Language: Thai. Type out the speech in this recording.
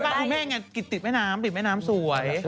ไปบ้านคุณแม่งกันติดแม่น้ำติดแม่น้ำสวย